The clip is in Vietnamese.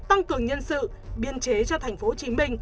tăng cường nhân sự biên chế cho tp hcm